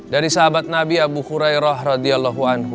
dari sahabat nabi abu hurairah radiallahu anhu